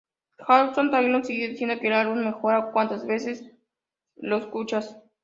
Jason Taylor siguió diciendo que el álbum mejora cuantas más veces lo escuchas.